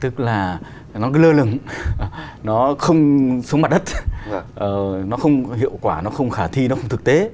tức là nó cứ lơ lửng nó không xuống mặt đất nó không hiệu quả nó không khả thi nó không thực tế